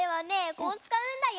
こうつかうんだよ。